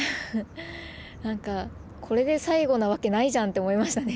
何かこれで最後なわけないじゃんって思いましたね。